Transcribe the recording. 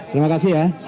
terima kasih ya